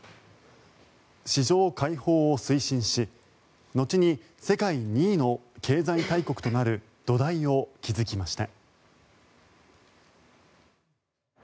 市場開放を推進し後に世界２位の経済大国となる土台を築きました。